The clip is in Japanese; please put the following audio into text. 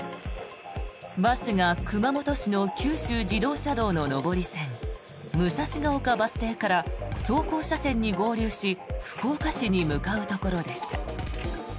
バスが熊本市の九州自動車道の上り線武蔵ヶ丘バス停から走行車線に合流し福岡市に向かうところでした。